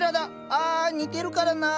ああ似てるからなあ。